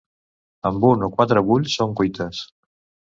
Amb un o quatre bull/s són cuites.